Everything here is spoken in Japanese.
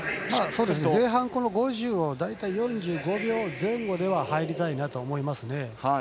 前半５０を大たい４５秒前後では入りたいなと思いますね。